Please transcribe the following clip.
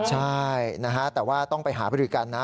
ใช่แต่ว่าต้องไปหาบรือกันนะ